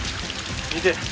見て。